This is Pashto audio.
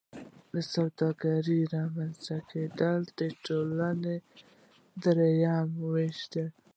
د سوداګر رامنځته کیدل د ټولنیز کار دریم ویش شو.